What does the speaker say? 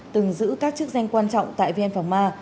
từng giữ các chức danh quan trọng tại vn phòng ma